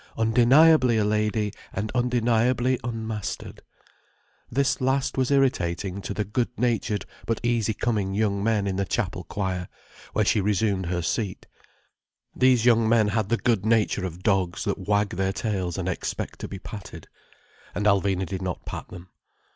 Undeniably a lady, and undeniably unmastered. This last was irritating to the good natured but easy coming young men in the Chapel Choir, where she resumed her seat. These young men had the good nature of dogs that wag their tails and expect to be patted. And Alvina did not pat them.